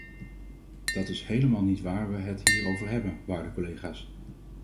Dat is helemaal niet waar we het hier over hebben, waarde collega's.